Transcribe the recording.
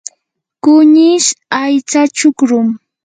kunish aycha chukrum.